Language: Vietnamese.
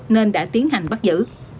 nên đã tiến hành bắt giữ